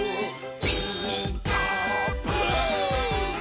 「ピーカーブ！」